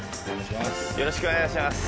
よろしくお願いします。